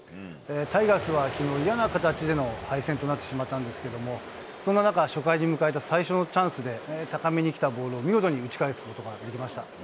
タイガースはきのう、嫌な形での敗戦となってしまったんですけれども、そんな中、初回に迎えた最初のチャンスで、高めに来たボールを、見事に打ち返すことができました。